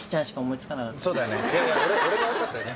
そうだよねいやいや俺が悪かったよね